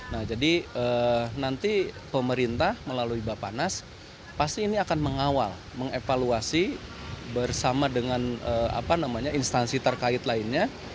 nah jadi nanti pemerintah melalui bapak nas pasti ini akan mengawal mengevaluasi bersama dengan instansi terkait lainnya